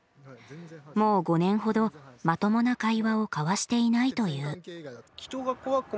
もう５年ほどまともな会話を交わしていないという。